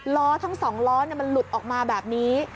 ล้อทั้ง๒ล้อมันหลุดออกมาแบบนี้